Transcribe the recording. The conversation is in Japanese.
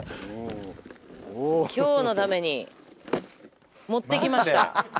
おおっ今日のために持ってきました